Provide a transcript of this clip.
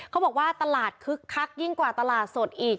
เขาบอกว่าตลาดคึกคักยิ่งกว่าตลาดสดอีก